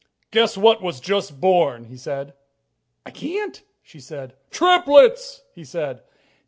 "Guess what was just born," he said. "I can't," she said. "Triplets!" he said.